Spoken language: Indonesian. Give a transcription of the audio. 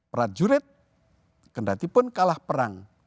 prajurit kena hati pun kalah perang